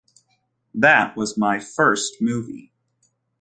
That was my first movie.